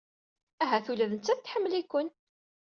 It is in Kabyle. Ahat ula d nettat tḥemmel-iken.